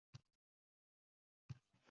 Seni asrab to’rt yil qo’ynimda…